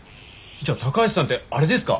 じゃあ高橋さんってあれですか？